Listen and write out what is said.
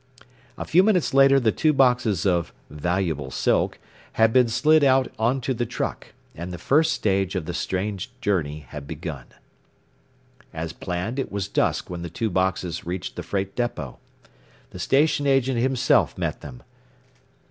A few minutes later the two boxes of "valuable silk" had been slid out onto the truck, and the first stage of the strange journey had begun. As planned, it was dusk when the two boxes reached the freight depot. The station agent himself met them.